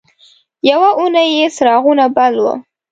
یوه اونۍ یې څراغونه بل وو.